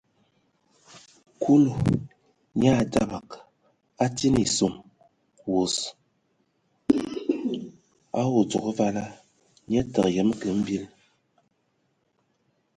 Kulu nyaa dzabag, a atin eson wos, a udzogo vala, nye təgə yəm kə mbil.